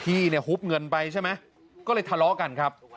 พี่เนี่ยฮุบเงินไปใช่ไหมก็เลยทะเลาะกันครับ